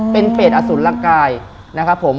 เป็นเปรตอสุรกายนะครับผม